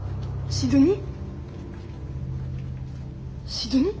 シドニー？